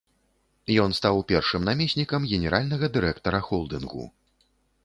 Ён стаў першым намеснікам генеральнага дырэктара холдынгу.